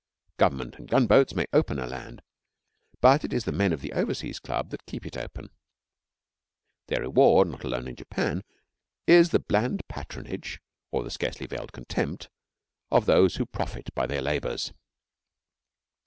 Government and gunboats may open a land, but it is the men of the Overseas Club that keep it open. Their reward (not alone in Japan) is the bland patronage or the scarcely veiled contempt of those who profit by their labours.